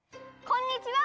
こんにちは！